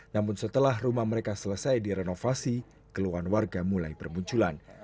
namun setelah rumah mereka selesai direnovasi keluhan warga mulai bermunculan